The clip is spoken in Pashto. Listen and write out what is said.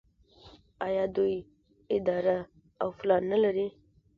آیا دوی اراده او پلان نلري؟